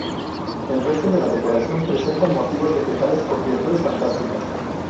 El resto de la decoración presenta motivos vegetales o criaturas fantásticas.